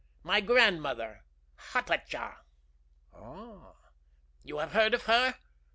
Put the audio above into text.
"My grandmother, Hatatcha." "Ah!" "You have heard of her?"